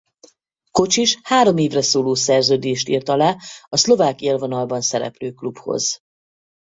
Kocsis három évre szóló szerződést írt alá a szlovák élvonalban szereplő klubhoz.